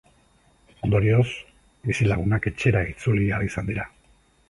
Ondorioz, bizilagunak etxera itzuli ahal izan dira.